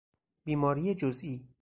بیماری جزیی